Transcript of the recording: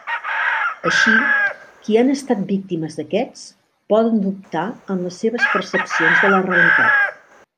Així, qui han estat víctimes d'aquests poden dubtar en les seves percepcions de la realitat.